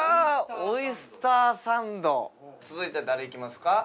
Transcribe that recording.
オイスターサンド続いては誰いきますか？